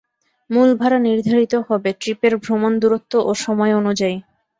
মূল ভাড়া নির্ধারিত হবে ট্রিপের ভ্রমণ দূরত্ব ও সময় অনুযায়ী।